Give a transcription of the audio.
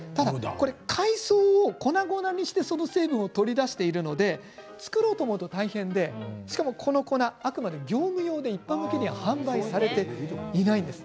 海藻を粉々にして、その水分を取り出しているので作ろうと思うと大変でしかもこの粉はあくまでも業務用で一般販売はされていないんです。